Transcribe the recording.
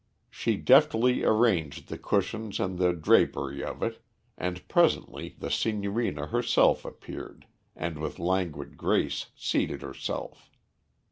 She deftly arranged the cushions and the drapery of it, and presently the Signorina herself appeared, and with languid grace seated herself.